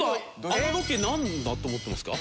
あのロケなんだと思ってますか？